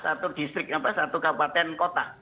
satu distrik satu kabupaten kota